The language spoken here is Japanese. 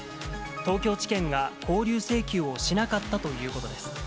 東京地検が勾留請求をしなかったということです。